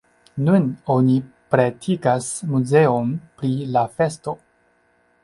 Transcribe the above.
Nun oni pretigas muzeon pri la festo.